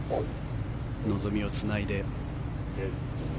望みをつないで。